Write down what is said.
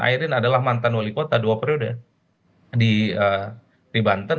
ayrin adalah mantan wali kota dua periode di banten